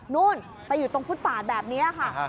นู่นไปอยู่ตรงฟุตปาดแบบนี้ค่ะ